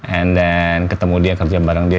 and then ketemu dia kerja bareng dia